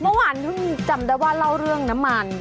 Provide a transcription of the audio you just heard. เมื่อวานเพิ่งจำได้ว่าเล่าเรื่องน้ำมัน